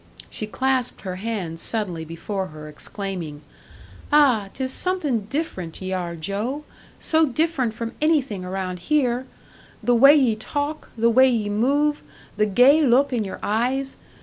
She clasped her hands suddenly before her, exclaiming, "Ah, 'tis something different ye are, Joe so different from anything around here! The way ye talk, the way ye move, the gay look in your eyes!